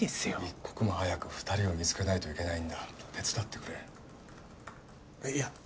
一刻も早く２人を見つけないといけないんだ手伝ってくれいや